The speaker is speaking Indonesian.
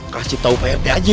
kasih tahu kak rt aja